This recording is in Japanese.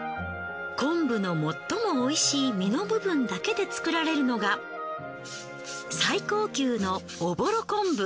昆布の最も美味しい身の部分だけで作られるのが最高級のおぼろ昆布。